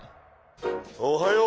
おはよう。